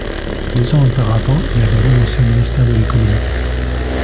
Deux ans auparavant, il avait renoncé au ministère de l'Économie.